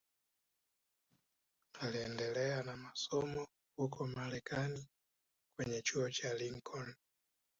Aliendelea na masomo huko Marekani kwenye chuo cha Lincoln